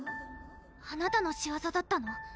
あなたの仕業だったの？